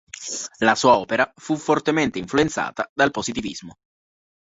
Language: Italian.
La sua opera fu fortemente influenzata dal positivismo.